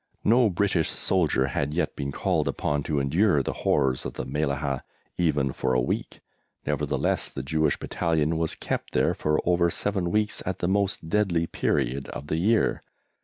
No British soldier had yet been called upon to endure the horrors of the Mellahah even for a week; nevertheless the Jewish Battalion was kept there for over seven weeks at the most deadly period of the year.